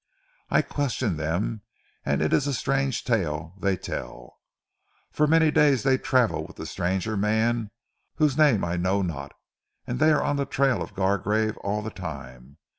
I question dem, and it is a strange tale dey tell. For many days dey travel with ze stranger mans whose name I know not, an' dey are on the trail of Gargrave all ze time.